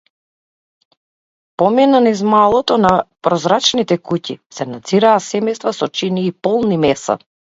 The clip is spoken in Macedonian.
Помина низ маалото на прозрачните куќи, се наѕираа семејства со чинии полни меса.